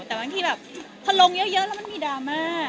แต่บางทีแบบพอลงเยอะแล้วมันมีดราม่า